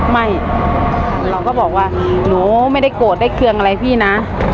ไม่เราก็บอกว่าหนูไม่ได้โกรธได้เครื่องอะไรพี่นะ